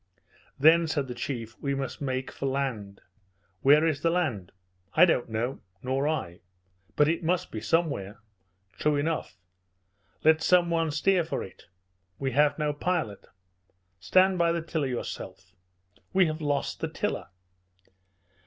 "Then," said the chief, "we must make for land." "Where is the land?" "I don't know." "Nor I." "But it must be somewhere." "True enough." "Let some one steer for it." "We have no pilot." "Stand to the tiller yourself." "We have lost the tiller."